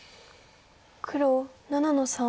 黒７の三。